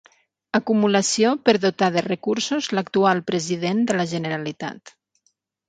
Acumulació per dotar de recursos l'actual president de la Generalitat.